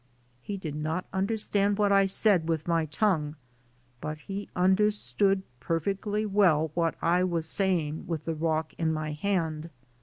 He did not understand what I said with my tongue, but he understood perfectly well what I was saying with the rock in my hand.